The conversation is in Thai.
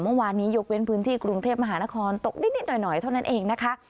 เมื่อวานนี้ยกเว้นพื้นที่กรุงเทพมหานครตกนิดหน่อยเท่านั้นเองนะคะ